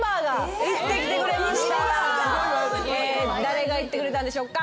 誰が行ってくれたんでしょうか。